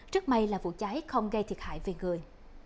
rất may là vụ cháy không gây thiệt hại về người